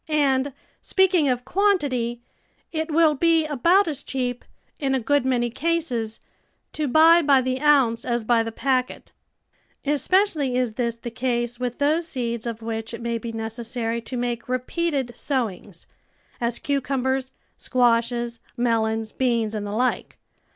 And, speaking of quantity, it will be about as cheap, in a good many cases, to buy by the ounce as by the packet; especially is this the case with those seeds of which it may be necessary to make repeated sowings — as cucumbers, squashes, melons, beans, and the like.